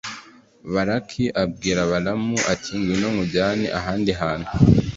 balaki abwira balamu, ati «ngwino nkujyane ahandi hantu.